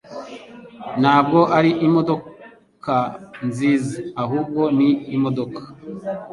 Ntabwo ari imodoka nziza, ahubwo ni imodoka.